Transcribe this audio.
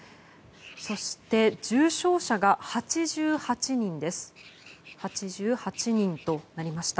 そして、重症者が８８人です。